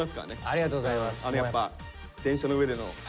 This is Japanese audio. ありがとうございます。